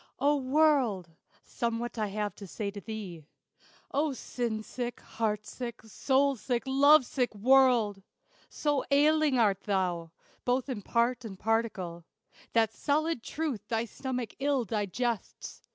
] O World! somewhat I have to say to thee. O sin sick, heart sick, soul sick, love sick World! So ailing art thou, both in part and particle, That solid truth thy stomach ill digests.